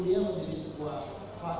bisa jadi ada peristiwa pidana